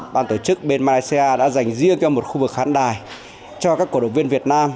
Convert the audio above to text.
ban tổ chức bên malaysia đã dành riêng cho một khu vực khán đài cho các cổ động viên việt nam